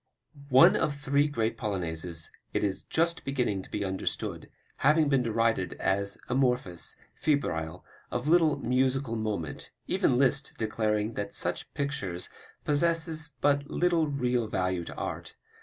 One of three great Polonaises, it is just beginning to be understood, having been derided as amorphous, febrile, of little musical moment, even Liszt declaring that "such pictures possess but little real value to art.